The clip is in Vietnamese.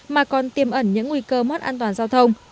mà còn tiêm ẩn những nguy cơ mất an toàn giao thông